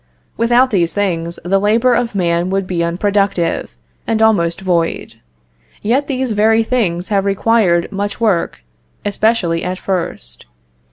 Without these things, the labor of man would be unproductive, and almost void; yet these very things have required much work, especially at first.